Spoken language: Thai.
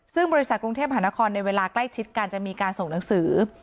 ซึ่งบริษัทกรุงเทพหานครในเวลาใกล้ชิดกันจะมีการส่งหนังสือ